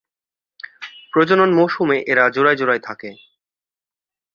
প্রজনন মৌসুমে এরা জোড়ায় জোড়ায় থাকে।